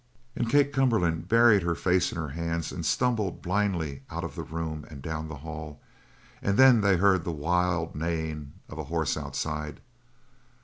And Kate Cumberland buried her face in her hands and stumbled blindly out of the room and down the hall and then they heard the wild neighing of a horse outside.